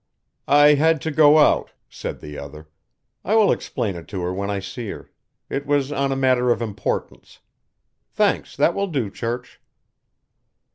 "I had to go out," said the other. "I will explain it to her when I see her It was on a matter of importance Thanks, that will do, Church."